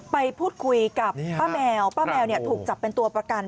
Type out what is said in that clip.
ไปพูดคุยกับป้าแมวป้าแมวถูกจับเป็นตัวประกัน